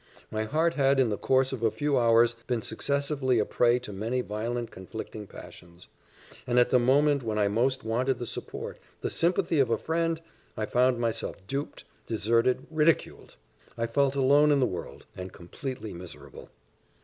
My heart had, in the course of a few hours, been successively a prey to many violent conflicting passions; and at the moment when I most wanted the support, the sympathy of a friend, I found myself duped, deserted, ridiculed! I felt alone in the world, and completely miserable.